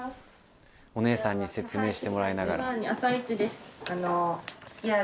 お姉さんに説明してもらいながら。